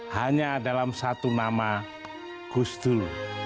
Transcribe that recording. hanya dalam satu nama gustur